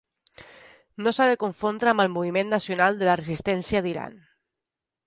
No s'ha de confondre amb el Moviment Nacional de la Resistència d'Iran.